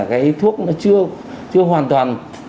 cái thuốc nó chưa hoàn toàn